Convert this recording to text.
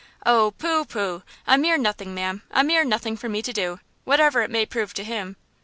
"Oh, pooh, pooh! a mere nothing, ma'am! a mere nothing for me to do, whatever it may prove to him.